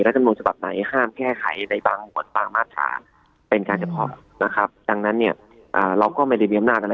เพื่อการแก่พวกมัน